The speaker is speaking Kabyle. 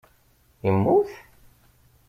Immut?